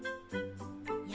や